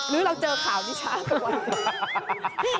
หรือเราเจอข่าวนี้ช้าสักวัน